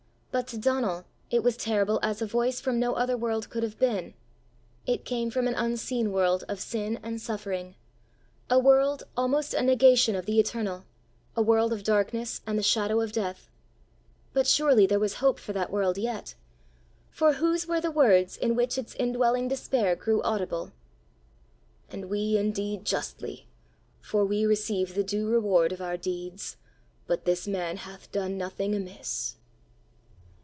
But to Donal it was terrible as a voice from no other world could have been; it came from an unseen world of sin and suffering a world almost a negation of the eternal, a world of darkness and the shadow of death. But surely there was hope for that world yet! for whose were the words in which its indwelling despair grew audible? "And we indeed justly; for we receive the due reward of our deeds; but this man hath done nothing amiss!"